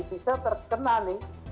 bisa terkena nih